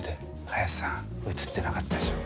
林さん映ってなかったでしょ。